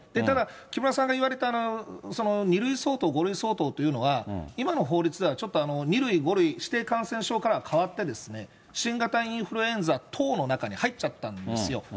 ただ、木村さんが言われた、その２類相当、５類相当というのは、今の法律ではちょっと２類、５類、指定感染症から変わって、新型インフルエンザ等の中に入っちゃったんですよ。